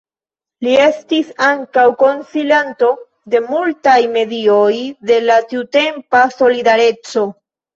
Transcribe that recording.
Li estis ankaŭ konsilanto de multaj medioj de la tiutempa Solidareco.